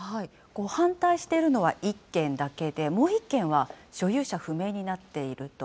反対しているのは１軒だけで、もう１軒は所有者不明になっていると。